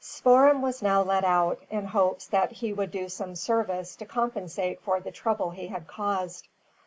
Spoor'em was now led out, in hopes that he would do some service to compensate for the trouble he had caused.